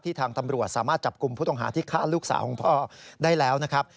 ทางตำรวจสามารถจับกลุ่มผู้ต้องหาที่ฆ่าลูกสาวของพ่อได้แล้วนะครับ